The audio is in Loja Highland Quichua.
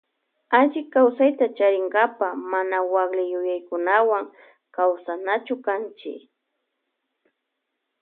Allikawsayta charinkapa mana wakli yuyaykunawan kawsanachu kanchi.